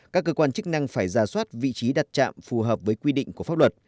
các cơ quan chức năng phải ra soát vị trí đặt trạm phù hợp với quy định của pháp luật